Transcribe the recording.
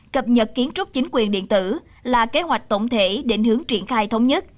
cập nhật kiến trúc chính quyền điện tử là kế hoạch tổng thể định hướng triển khai thống nhất